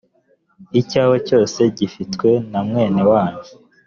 icyawe cyose gifitwe na mwene wanyu